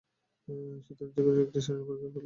সুতরাং যেকোনো একটি সারণি পরীক্ষা করলেই চলে।